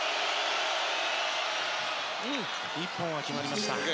１本は決まりました。